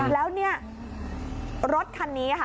แล้วเนี่ยรถคันนี้ค่ะ